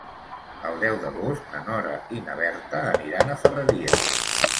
El deu d'agost na Nora i na Berta aniran a Ferreries.